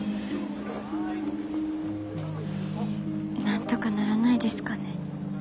なんとかならないですかね？